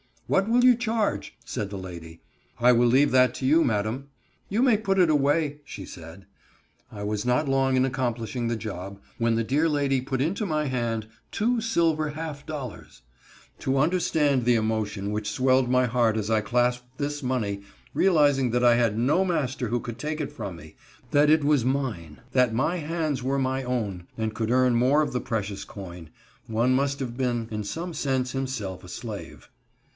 "What will you charge?" said the lady. "I will leave that to you, madam." "You may put it away," she said. I was not long in accomplishing the job, when the dear lady put into my hand two silver half dollars. To understand the emotion which swelled my heart as I clasped this money, realizing that I had no master who could take it from me,—that it was mine—that my hands were my own, and could earn more of the precious coin,—one must have been in some sense himself a slave.